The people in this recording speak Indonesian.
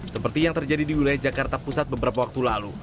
seperti yang terjadi di wilayah jakarta pusat beberapa waktu lalu